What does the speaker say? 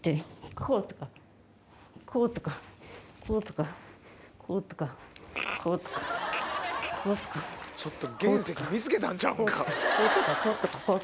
さらにちょっと原石見つけたんちゃうんか。